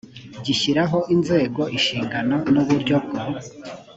gishyiraho inzego inshingano n uburyo bwo